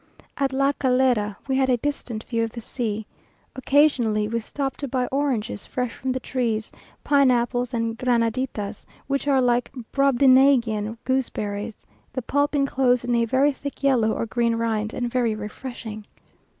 At La Calera we had a distant view of the sea. Occasionally we stopped to buy oranges fresh from the trees, pineapples, and granaditas, which are like Brobdinagian gooseberries, the pulp enclosed in a very thick yellow or green rind, and very refreshing.